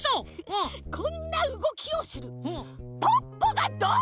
こんなうごきをするポッポがどん！